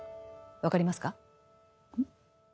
分かりますか？